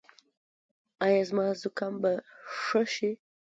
ایا زما زکام به ښه شي؟